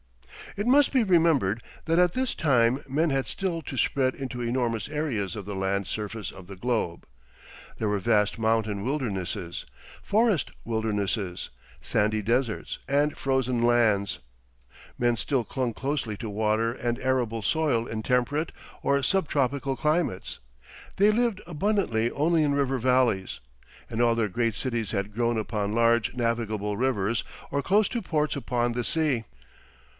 It must be remembered that at this time men had still to spread into enormous areas of the land surface of the globe. There were vast mountain wildernesses, forest wildernesses, sandy deserts, and frozen lands. Men still clung closely to water and arable soil in temperate or sub tropical climates, they lived abundantly only in river valleys, and all their great cities had grown upon large navigable rivers or close to ports upon the sea.